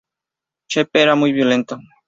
Chepe era muy violento.